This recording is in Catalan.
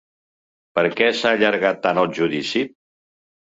Per què s’ha allargat tant el judici?